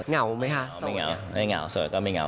เหงาไหมคะไม่เหงาไม่เหงาสวยก็ไม่เหงา